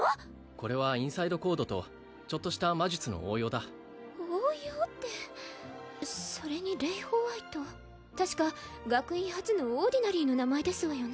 これはインサイドコードとちょっとした魔術の応用だ応用ってそれにレイ＝ホワイト確か学院初のオーディナリーの名前ですわよね